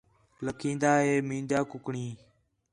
لَکھین٘دا ہے مینجاں کُکڑیں